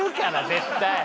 絶対。